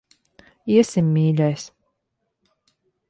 Iesim, mīļais.